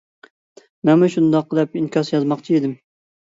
مەنمۇ شۇنداق دەپ ئىنكاس يازماقچى ئىدىم.